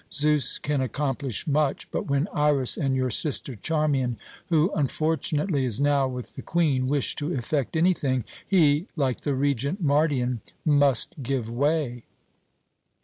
Zeus can accomplish much, but when Iras and your sister Charmian, who unfortunately is now with the Queen, wish to effect anything, he, like the Regent Mardion, must give way.